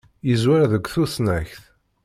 Yeẓwer deg tusnakt.